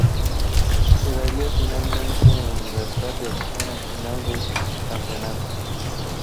Quedaría, finalmente, en libertad de acción al finalizar el campeonato.